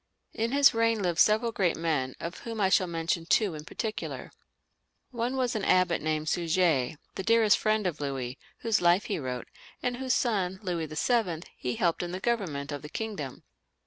'* In his reign lived several great men, of whom I shall mention two in particular. One was an abbot named Suger, the dearest friend of Louis, whose life he wrote, and whose son, Louis VlL, he helped in the government of the kingdom.